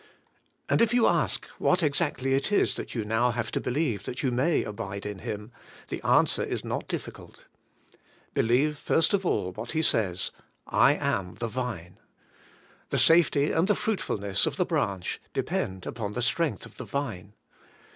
And if you ask what exactly it is that you now have to believe that you may abide in Him, the answer is not difficult. Believe first of all what He says: 'I am the Vine.' The safety and the fruitful ness of the branch depend upon the strength of the vine.